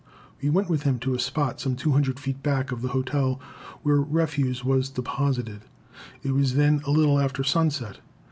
We went with him to a spot some 200 feet back of the hotel, where refuse was deposited. It was then a little after sunset.